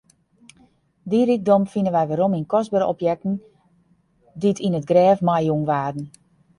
Dy rykdom fine wy werom yn kostbere objekten dy't yn it grêf meijûn waarden.